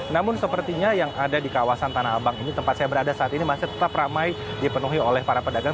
namun sepertinya yang ada di kawasan tanah abang ini tempat saya berada saat ini masih tetap ramai dipenuhi oleh para pedagang